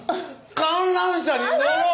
「観覧車に乗ろう」